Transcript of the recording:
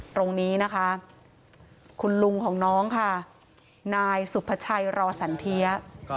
ตรงนี้นะคะคุณลุงของน้องค่ะนายสุภาชัยรอสันเทีย